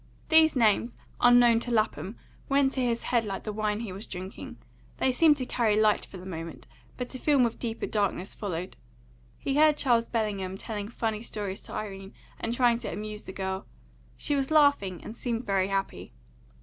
These names, unknown to Lapham, went to his head like the wine he was drinking; they seemed to carry light for the moment, but a film of deeper darkness followed. He heard Charles Bellingham telling funny stories to Irene and trying to amuse the girl; she was laughing, and seemed very happy.